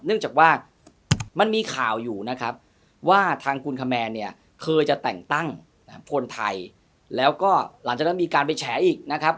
เนื่องจากว่ามันมีข่าวอยู่นะครับ